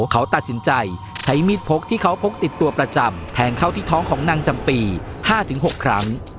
เขาตัดสินใจใช้มีดพกที่เขาพกติดตัวประจำแทงเข้าที่ท้องของนางจำปี๕๖ครั้ง